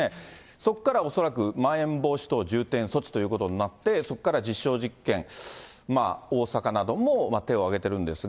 そこから恐らくまん延防止等重点措置ということになって、そこから実証実験、まあ、大阪なども手を挙げてるんですが。